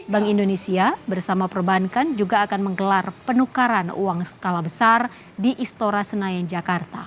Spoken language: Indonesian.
bank indonesia bersama perbankan juga akan menggelar penukaran uang skala besar di istora senayan jakarta